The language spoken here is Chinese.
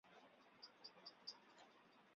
还有那么高的机会被淘汰